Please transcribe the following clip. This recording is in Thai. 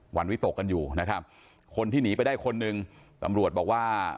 วันวิตกกันอยู่นะครับคนที่หนีไปได้คนหนึ่งตำรวจบอกว่า